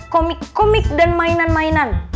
komik komik dan mainan mainan